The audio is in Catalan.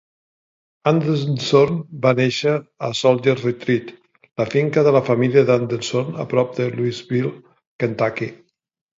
Anderson va néixer a "Soldier's Retreat", la finca de la família Anderson a prop de Louisville, Kentucky.